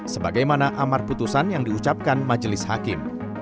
sebagaimana amar putusan yang diucapkan majelis hakim